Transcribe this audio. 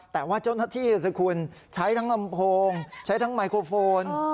แต่ว่าเจ้าหน้าที่สิคุณใช้ทั้งลำโพงใช้ทั้งไมโครโฟน